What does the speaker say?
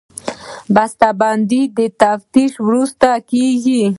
بسته بندي د تفتیش وروسته کېږي.